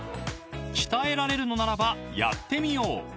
［鍛えられるのならばやってみよう］